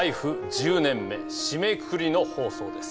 １０年目締めくくりの放送です。